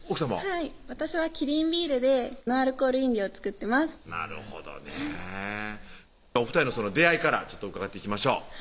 はい私はキリンビールでノンアルコール飲料作ってますなるほどねお２人の出会いからちょっと伺っていきましょう